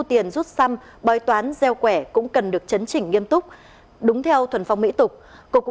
tiền rút xăm bói toán gieo khỏe cũng cần được chấn chỉnh nghiêm túc đúng theo thuần phong mỹ tục cục